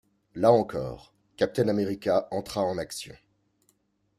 Là encore, Captain America entra en action.